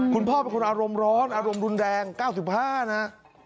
คุณพ่อเป็นคนอารมณ์ร้อนอารมณ์รุนแรง๙๕นะฮะ